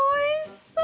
そう。